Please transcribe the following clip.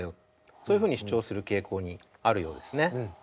そういうふうに主張する傾向にあるようですね。